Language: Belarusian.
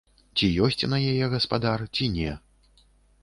Ці ёсць на яе гаспадар, ці не?